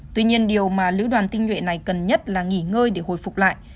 tuy nhiên điều mà lữ đoàn tinh nhuệ này cần nhất là nghỉ ngơi để hồi phục lại